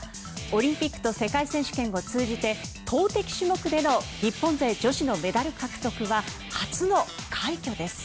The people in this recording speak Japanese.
オリンピックと世界選手権を通じて投てき種目での日本勢女子のメダル獲得は初の快挙です。